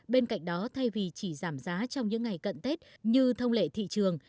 bên cạnh đó thay vì chỉ giảm giá trong những ngày cận tết như thông lệ thị trường